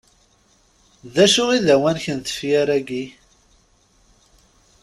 D acu i d awanek n tefyir-agi?